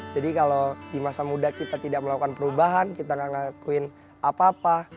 jadi kalau di masa muda kita tidak melakukan perubahan kita gak ngelakuin apa apa